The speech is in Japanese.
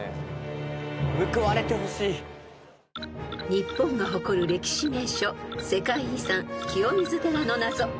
［日本が誇る歴史名所世界遺産清水寺の謎］